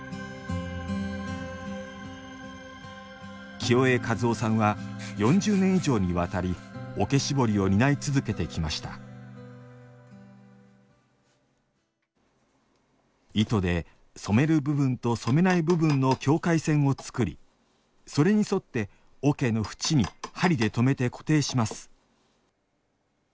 清江和雄さんは４０年以上にわたり桶絞りを担い続けてきました糸で染める部分と染めない部分の境界線を作りそれに沿って桶の縁に針で留めて固定します